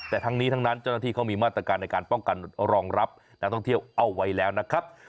แต่ทั้งนี้ทั้งนั้นเจ้าหน้าที่เขามีมาตรการในการป้องกันรองรับนักท่องเที่ยวเอาไว้แล้วนะครับ